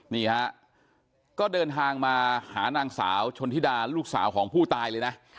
นี่ฮะก็เดินทางมาหานางสาวชนธิดาลูกสาวของผู้ตายเลยนะ